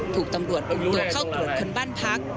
ถูกตำรวจคุมตัวเข้าตรวจคนบ้านพัก